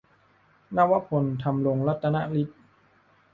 นวพล ธำรงรัตนฤทธิ์